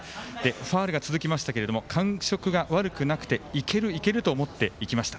ファウルが続きましたが感触が悪くなくていける、いけると思っていきました。